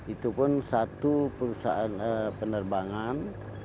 itu pun satu perusahaan penerbangan